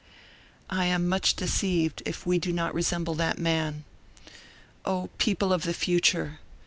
I am much deceived if we do not resemble that man. O, people of the future!